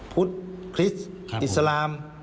พุทธคริสต์อิสลาม